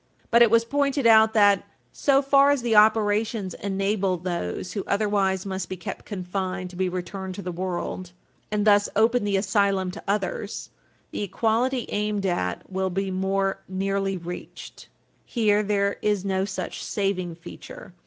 But it was pointed out that, "so far as the operations enable those who otherwise must be kept confined to be returned to the world, and thus open the asylum to others, the equality aimed at will be more nearly reached." 274 U.S. p. 274 U. S. 208. Here there is no such saving feature.